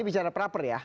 ini bicara pra pra ya